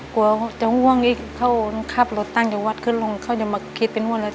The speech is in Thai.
กลัวจะห่วงอีกเขาขับรถตั้งอยู่วัดขึ้นลงเขาจะมาคิดเป็นห่วงอะไร